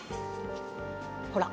ほら。